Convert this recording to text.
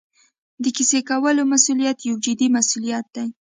د کیسې کولو مسوولیت یو جدي مسوولیت دی.